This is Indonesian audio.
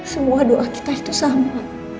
semua doa kita itu sama